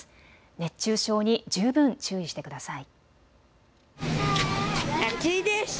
熱中症に十分注意してください。